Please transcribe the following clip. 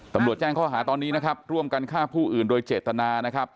ตำรวจแจ้งข้อหาตอนนี้นะครับร่วมกันฆ่าผู้อื่นโดยเจตนานะครับ